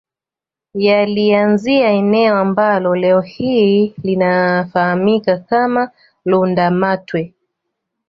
Yaliianzia eneo ambalo leo hii linafahamika kama Lundamatwe